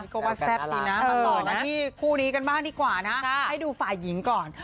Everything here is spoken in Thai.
ก็ว่าแซ่บดีนะมาต่อกันที่คู่นี้กันบ้างดีกว่านะให้ดูฝ่ายหญิงก่อน